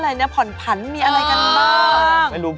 ไม่เป็นไรรอได้